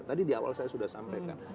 tadi di awal saya sudah sampaikan